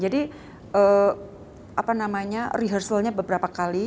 jadi apa namanya rehearsal nya beberapa kali